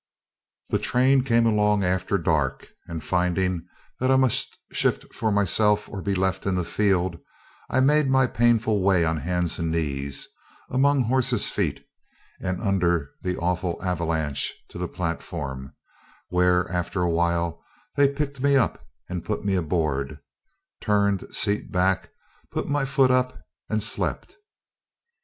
The train came along after dark, and, finding that I must shift for myself or be left in the field, I made my painful way on hands and knees, among horses' feet and under the awful "avalanche," to the platform, where, after a while, they picked me up and put me aboard; turned seat back, put my foot up, and slept.